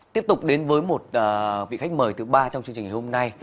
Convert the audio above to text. tiếp tục đến với một vị khách mời thứ ba trong chương trình ngày hôm nay